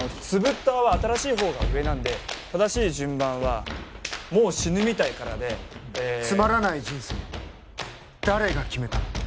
つぶったーは新しい方が上なんで正しい順番は「もう死ぬみたい」からで「つまらない人生」「誰が決めたの」